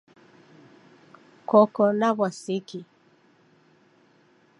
Koko na w'asiki?